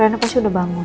rena pasti udah bangun